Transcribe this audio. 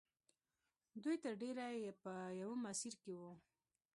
دوی تر ډېره په یوه مسیر کې وو